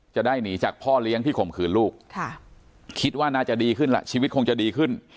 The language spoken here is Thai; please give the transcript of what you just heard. จะได้หนีจากพ่อเลี้ยงที่ข่มขืนลูกคิดว่าน่าจะดีขึ้นล่ะชีวิตคงจะดีขึ้น